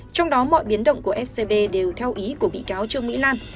trong đó mọi biến động của scb đều theo ý của bị cáo trương mỹ lan